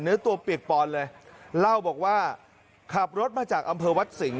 เนื้อตัวเปียกปอนเลยเล่าบอกว่าขับรถมาจากอำเภอวัดสิงห